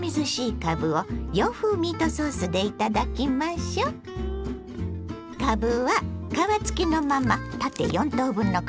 かぶは皮付きのまま縦４等分のくし形にします。